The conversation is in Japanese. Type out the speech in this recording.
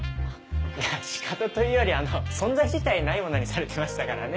いやシカトというより存在自体ないものにされてましたからね。